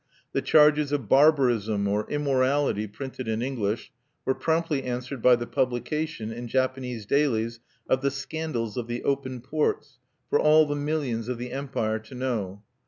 The charges of barbarism or immorality printed in English were promptly answered by the publication in Japanese dailies of the scandals of the open ports, for all the millions of the empire to know.